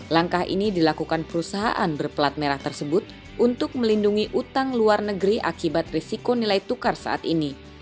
langkah ini dilakukan perusahaan berplat merah tersebut untuk melindungi utang luar negeri akibat risiko nilai tukar saat ini